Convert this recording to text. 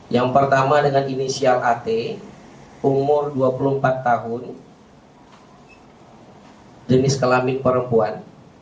yang pertama dengan inisial at umur dua puluh empat tahun jenis kelamin perempuan